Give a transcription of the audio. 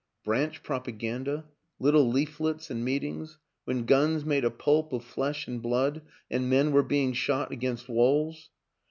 Branch propaganda lit tle leaflets and meetings when guns made a pulp of flesh and blood, and men were being shot against walls!